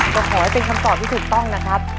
ก็ขอให้เป็นคำตอบที่ถูกต้องนะครับ